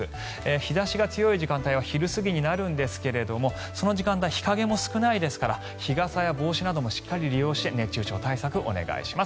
日差しが強い時間帯は昼過ぎになりますがその時間帯日陰も少ないですから日傘や帽子などもしっかり利用して熱中症対策をお願いします。